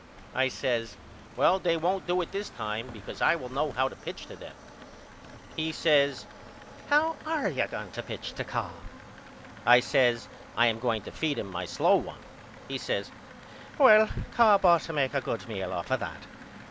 I says Well they won't do it this time because I will know how to pitch to them. He says How are you going to pitch to Cobb? I says I am going to feed him on my slow one. He says Well Cobb had ought to make a good meal off of that.